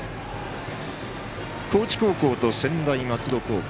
高知高校と専大松戸高校。